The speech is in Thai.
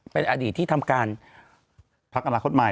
เป็นอดีตที่ทำการพักอนาคตใหม่